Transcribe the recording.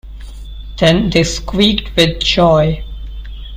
Then they squeaked with joy!